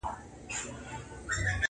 له ښار او کلي وتلی دم دی!